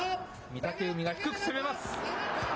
御嶽海が低く攻めます。